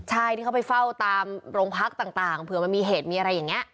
ใช่ที่เขาไปเฝ้าตามโรงพักต่างเผื่อมันมีเหตุมีอะไรอย่างนี้